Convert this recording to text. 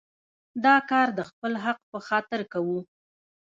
دا کار د خپل حق په خاطر کوو.